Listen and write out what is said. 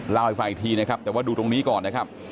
เล่าให้ฟังอีกทีนะครับแต่ว่าดูตรงนี้ก่อนนะครับ